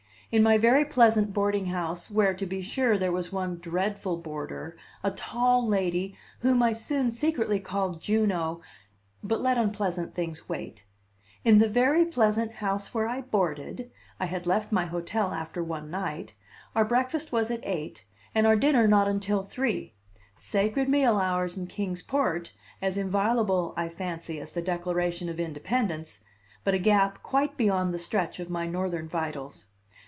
In my very pleasant boarding house, where, to be sure, there was one dreadful boarder, a tall lady, whom I soon secretly called Juno but let unpleasant things wait in the very pleasant house where I boarded (I had left my hotel after one night) our breakfast was at eight, and our dinner not until three: sacred meal hours in Kings Port, as inviolable, I fancy, as the Declaration of Independence, but a gap quite beyond the stretch of my Northern vitals.